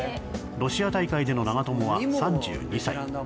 ロシア大会での長友は３２歳。